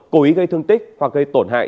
cố ý gây thương tích hoặc gây tổn hại